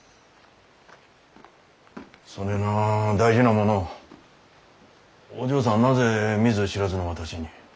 そねえな大事なものをお嬢さんはなぜ見ず知らずの私に？